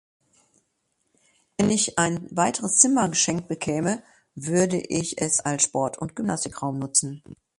Wenn ich ein weiteres Zimmer geschenkt bekäme, würde ich es als Sport- und Gymnastikraum nutzen.